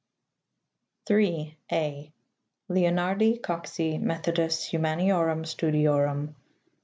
3. {a) Leonardi Coxi Methodus humaniorum studiorum.